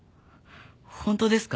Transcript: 本当ですか？